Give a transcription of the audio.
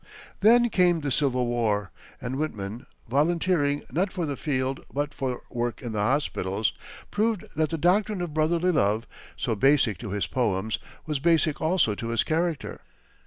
Then came the Civil War, and Whitman, volunteering not for the field, but for work in the hospitals, proved that the doctrine of brotherly love, so basic to his poems, was basic also to his character.